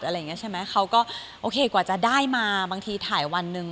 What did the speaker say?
อะไรอย่างนี้ใช่ไหมเขาก็โอเคกว่าจะได้มาบางทีถ่ายวันหนึ่ง